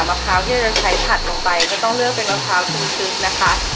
พร้าวที่เราจะใช้ผัดลงไปก็ต้องเลือกเป็นมะพร้าวซึบนะคะ